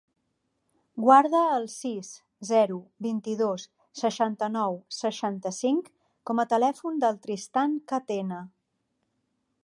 Guarda el sis, zero, vint-i-dos, seixanta-nou, seixanta-cinc com a telèfon del Tristan Catena.